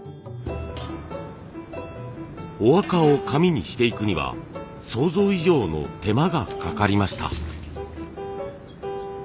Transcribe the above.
麻垢を紙にしていくには想像以上の手間がかかりました。